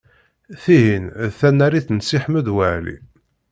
Tihin d tanarit n Si Ḥmed Waɛli.